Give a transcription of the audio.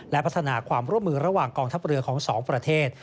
และพัฒนาความร่วมมือระหว่างกองทัพเรือของสองประเทศ